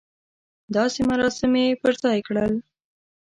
داسې مراسم یې پر ځای کړل.